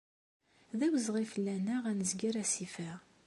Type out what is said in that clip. D awezɣi fell-aneɣ ad nezger asif-a.